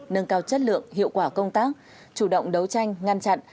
nâng cao chất lượng hiệu quả công tác chủ động đấu tranh ngăn chặn